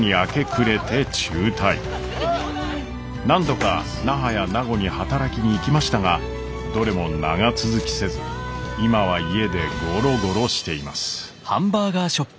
何度か那覇や名護に働きに行きましたがどれも長続きせず今は家でゴロゴロしています。